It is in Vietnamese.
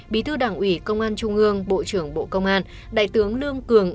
bí thư đảng ủy công an trung ương bộ trưởng bộ công an đại tướng lương cường